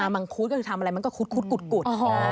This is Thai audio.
มังคุดก็คือทำอะไรมันก็คุด